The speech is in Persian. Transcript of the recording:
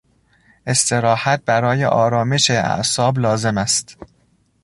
استراحت برای آرامش اعصاب لازم است.